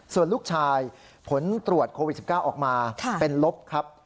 ส่วนลูกชายผลตรวจโควิด๑๙ออกมาเป็นลบครับ